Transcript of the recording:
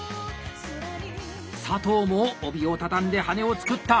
佐藤も帯を畳んで羽根を作った！